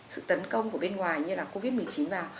sự tấn công của bên ngoài như là covid một mươi chín vào